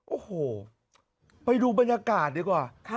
โอ้โหไปดูบรรยากาศดีกว่า